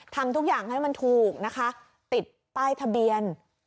ทำทุกอย่างให้มันถูกนะคะติดป้ายทะเบียน